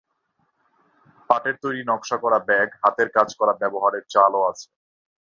পাটের তৈরি নকশা করা ব্যাগ, হাতের কাজ করা ব্যবহারের চলও আছে।